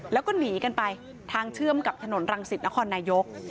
แล้วก็หนีกันไปทางเชื่อมกับถนนรังสิตนครนายก